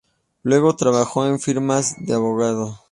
Luego trabajó en firmas de abogados.